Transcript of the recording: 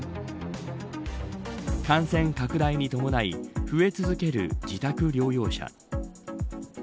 感染拡大に伴い増え続ける自宅療養者。